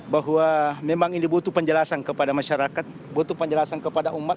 bahwa memang ini butuh penjelasan kepada masyarakat butuh penjelasan kepada umat